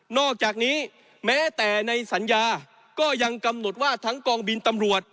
อกจากนี้แม้แต่ในสัญญาก็ยังกำหนดว่าทั้งกองบินตำรวจ